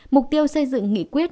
mục tiêu xây dựng nghị quyết